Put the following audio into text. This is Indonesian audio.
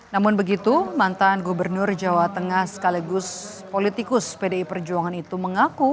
namun begitu mantan gubernur jawa tengah sekaligus politikus pdi perjuangan itu mengaku